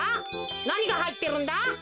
なにがはいってるんだ？